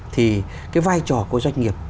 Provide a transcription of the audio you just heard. thì cái vai trò của doanh nghiệp